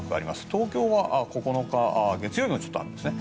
東京は９日、月曜日も雨ですね。